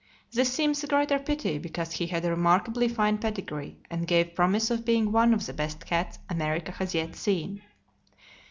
This seems the greater pity, because he had a remarkably fine pedigree, and gave promise of being one of the best cats America has yet seen.